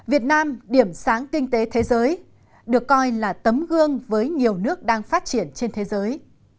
việt nam điểm sáng kinh tế thế giới được coi là tấm gương với nhiều nước đang phát triển trên thế giới